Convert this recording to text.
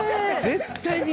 絶対に。